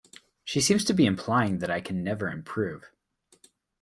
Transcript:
She seems to be implying that I can never improve.